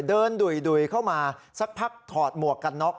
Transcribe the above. ดุยเข้ามาสักพักถอดหมวกกันน็อก